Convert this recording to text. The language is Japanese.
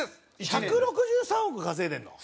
１６３億稼いでるの？